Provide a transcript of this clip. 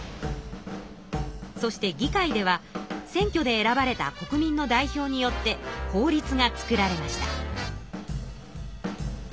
そして議会では選挙で選ばれた国民の代表によって法律が作られました。